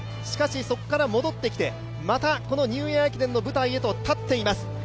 しかし、そこから戻ってきてまたこのニューイヤー駅伝の舞台へと立っています。